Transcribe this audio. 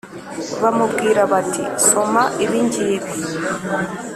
bamubwira bati «Soma ibi ngibi»,